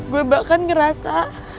gue bahkan ngerasa